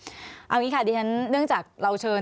เอาอย่างนี้ค่ะดิฉันเนื่องจากเราเชิญ